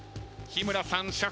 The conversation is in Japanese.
日村さん